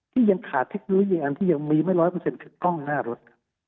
ที่ยังขาดเทคโนโลยีอันที่ยังมีไม่ร้อยเปอร์เซ็นคือกล้องหน้ารถ